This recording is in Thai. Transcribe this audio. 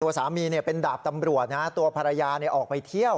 ตัวสามีเนี่ยเป็นดาบตำรวจนะฮะตัวภรรยาเนี่ยออกไปเที่ยว